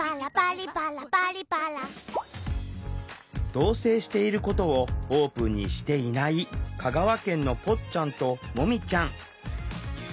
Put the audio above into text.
同せいしていることをオープンにしていない香川県のぽっちゃんともみちゃん。